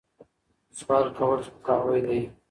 سوال کول سپکاوی دی.